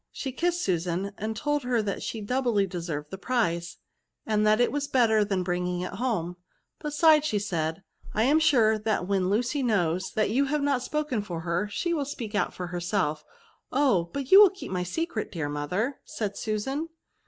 She kissed Susan, and told her that she doubly deserved the prize, and that was better than bringing it home. " Be sides," added she, " I am sure that when Lucy knows that you have not spoken for 24S VERBS. her, she wifl speak out for he^selfl "Oh! but you Mill keep my secret, dear mother ?" said Susan.